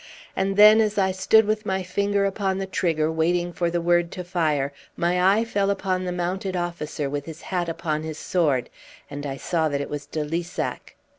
And then, as I stood with my finger upon the trigger waiting for the word to fire, my eye fell full upon the mounted officer with his hat upon his sword, and I saw that it was de Lissac.